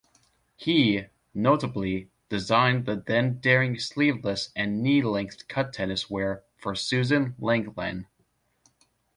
He, notably, designed the then-daring sleeveless and knee-length cut tennis wear for Suzanne Lenglen.